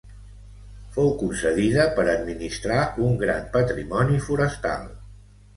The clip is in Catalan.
Fou concedida per administrar un gran patrimoni forestal.